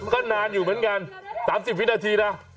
ก็นานอยู่เหมือนกัน๓๐วินาทีนะ